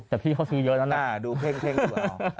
แต่พี่เขาซื้อเยอะนั้นนะ